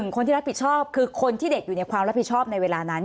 คนที่รับผิดชอบคือคนที่เด็กอยู่ในความรับผิดชอบในเวลานั้น